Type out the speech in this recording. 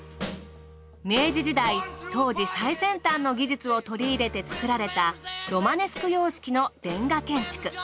明治時代当時最先端の技術を取り入れて造られたロマネスク様式のレンガ建築。